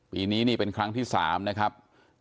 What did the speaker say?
ปีนี้นี่เป็นครั้งที่๓นะครับ